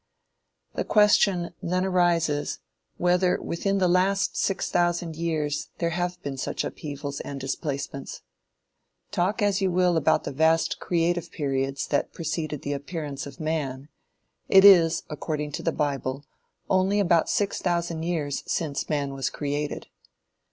The question, then arises, whether within the last six thousand years there have been such upheavals and displacements? Talk as you will about the vast "creative periods" that preceded the appearance of man; it is, according to the bible, only about six thousand years since man was created.